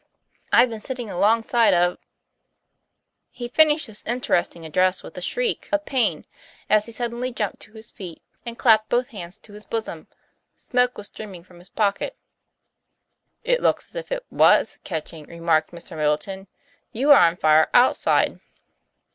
I've been sitting alongside of " He finished this interesting address with a shriek 88 TOM PLA YFAIR. of pain, as he suddenly jumped to his feet and clapped both hands to his bosom smoke was streaming from his pocket. 'It looks as if it was catching," remarked Mr. Middleton. "You are on fire outside."